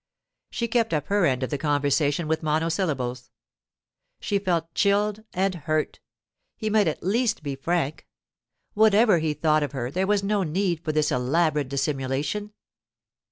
She kept up her end of the conversation with monosyllables. She felt chilled and hurt; he might at least be frank. Whatever he thought of her, there was no need for this elaborate dissimulation.